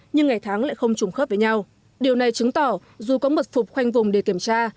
nhưng ngày tháng lại không trùng khớp với nhau điều này chứng tỏ dù có mật phục khoanh vùng để kiểm tra